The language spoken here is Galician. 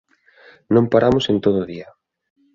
Non paramos en todo o día